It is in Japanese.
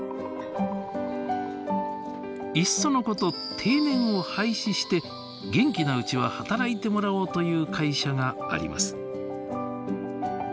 いっそのこと定年を廃止して元気なうちは働いてもらおうという会社があります。